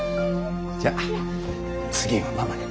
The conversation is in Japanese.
じゃあ次はママね。